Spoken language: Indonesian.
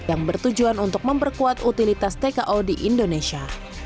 yang bertujuan untuk memperkuat utilitas tko di indonesia